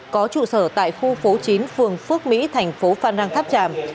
có trụ sở tại khu phố chín phường phước mỹ thành phố phan rang tháp tràm